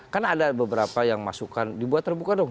kan ada beberapa yang masukan dibuat terbuka dong